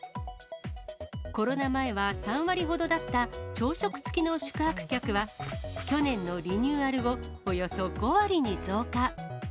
コロナ前は３割ほどだった朝食付きの宿泊客は、去年のリニューアル後、およそ５割に増加。